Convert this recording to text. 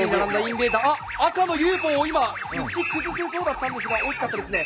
赤のＵＦＯを撃ち崩せそうだったんですが惜しかったですね。